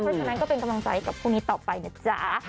เพราะฉะนั้นก็เป็นกำลังใจกับคู่นี้ต่อไปนะจ๊ะ